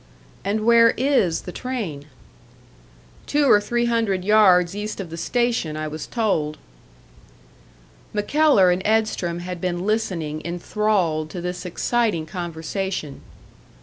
"And where is the train?" "Two or three hundred yards east of the station, I was told." MacKellar and Edstrom had been listening enthralled to this exciting conversation.